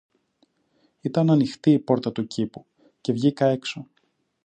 Ήταν ανοιχτή η πόρτα του κήπου, και βγήκα έξω